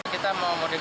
kita mau mudik